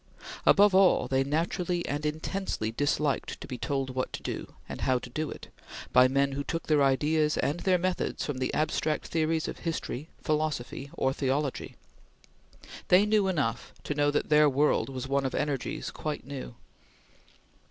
Above all, they naturally and intensely disliked to be told what to do, and how to do it, by men who took their ideas and their methods from the abstract theories of history, philosophy, or theology. They knew enough to know that their world was one of energies quite new.